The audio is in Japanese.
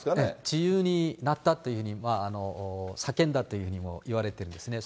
自由になったっていうふうに叫んだというふうにもいわれてるんですね。